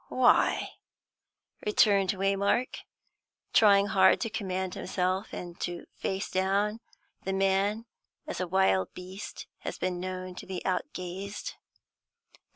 "Why?" returned Waymark, trying hard to command himself, and to face down the man as a wild beast has been known to be out gazed.